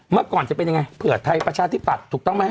เมื่อก่อนจะเป็นยังไงเผื่อไทยประชาธิปัตย์ถูกต้องไหม